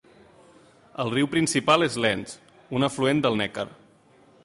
El riu principal és l'Enz, un afluent del Neckar.